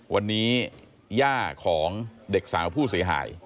วันนี้ย่าของเด็กสาวผู้เสียหาย